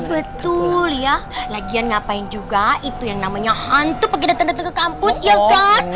betul ya lagian ngapain juga itu yang namanya hantu pengen datang datang ke kampus ya kan